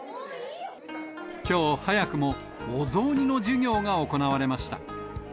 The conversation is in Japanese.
きょう、早くもお雑煮の授業が行われました。